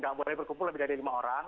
tidak boleh berkumpul lebih dari lima orang